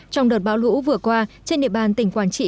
trong đợt bão lũ vừa qua trên địa bàn tỉnh quảng trị